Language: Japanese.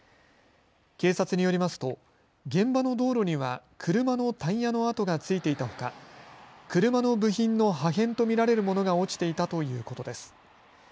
警察によりますと現場の道路には車のタイヤの跡がついていたほか車の部品の破片と見られるものが落ちていたということです。